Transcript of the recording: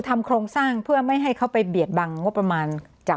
โครงสร้างเพื่อไม่ให้เขาไปเบียดบังงบประมาณจาก